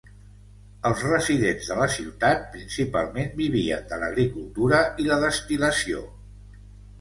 Els residents de la ciutat, principalment vivien de l'agricultura i la destil·lació.